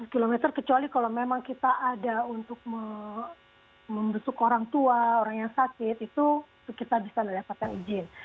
dua puluh km kecuali kalau memang kita ada untuk membentuk orang tua orang yang sakit itu kita bisa mendapatkan izin